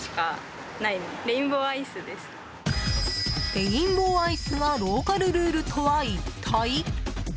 レインボーアイスがローカルルールとは一体？